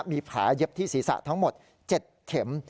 มีแผลเย็บที่ศีรษะทั้งหมด๗เข็ม